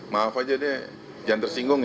maaf aja ini jangan tersinggung ya